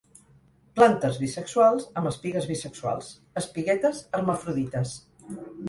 Plantes bisexuals, amb espigues bisexuals; espiguetes hermafrodites.